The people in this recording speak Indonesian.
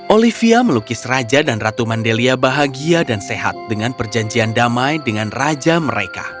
olivia melukis raja dan ratu mandelia bahagia dan sehat dengan perjanjian damai dengan raja mereka